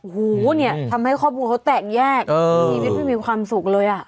โหเนี่ยทำให้ครอบครองเขาแตกแยกใช่ใช่เพิ่งมีความสุขเลยอ่๋อ